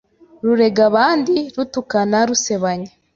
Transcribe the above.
rurega abandi , rutukana, rusebanya